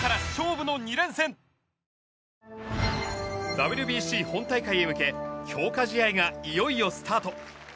ＷＢＣ本大会へ向け強化試合がいよいよスタート。